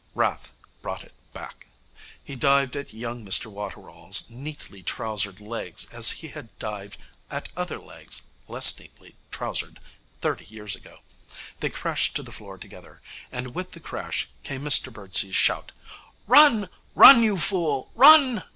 Wrath brought it back. He dived at young Mr Waterall's neatly trousered legs as he had dived at other legs, less neatly trousered, thirty years ago. They crashed to the floor together; and with the crash came Mr Birdsey's shout: 'Run! Run, you fool! Run!'